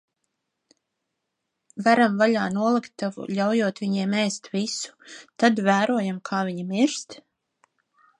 Veram vaļā noliktavu, ļaujot viņiem ēst visu, tad vērojam, kā viņi mirst?